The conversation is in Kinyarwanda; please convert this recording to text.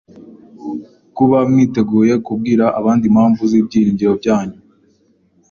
kuba mwiteguye kubwira abandi impamvu z’ibyiringiro byanyu